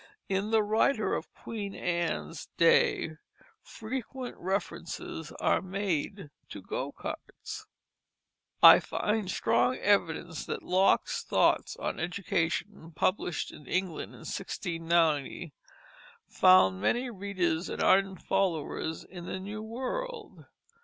In the writers of Queen Anne's day frequent references are made to go carts. [Illustration: Standing Stool] I find strong evidence that Locke's Thoughts on Education, published in England in 1690, found many readers and ardent followers in the new world.